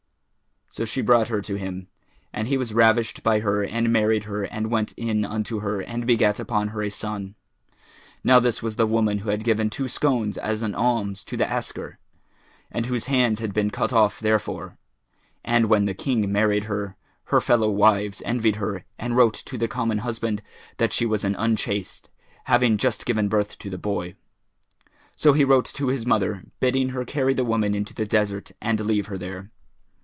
So she brought her to him, and he was ravished by her and married her and went in unto her; and begat upon her a son. Now this was the woman who had given two scones as an alms to the asker, and whose hands had been cut off therefor; and when the King married her, her fellow wives envied her and wrote to the common husband that she was an unchaste, having just given birth to the boy; so he wrote to his mother, bidding her carry the woman into the desert and leave her there.